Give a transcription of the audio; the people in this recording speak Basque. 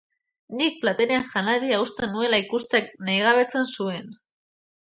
Nik platerean janaria uzten nuela ikusteak nahigabetzen zuen.